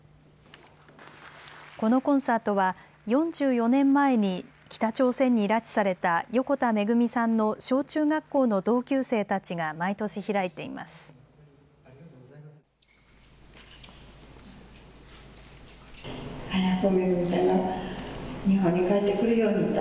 このコンサートは４４年前に北朝鮮に拉致された横田めぐみさんの小中学校の同級生たちが毎年、開いています。